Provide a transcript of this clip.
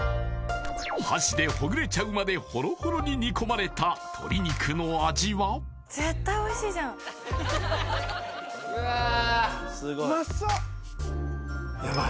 箸でほぐれちゃうまでホロホロに煮込まれた鶏肉の味はヤバい？